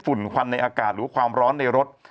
ควันในอากาศหรือความร้อนในรถ